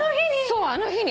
そうあの日に。